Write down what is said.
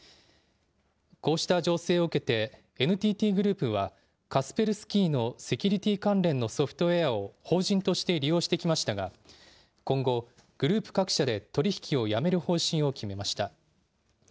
こうした情勢を受けてＮＴＴグループはカスペルスキーのセキュリティー関連のソフトウエアを法人として利用してきましたが今後、グループ各社で取り引きをやめる方針を決めました。